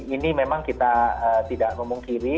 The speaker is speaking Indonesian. ini memang kita tidak ngomong kiri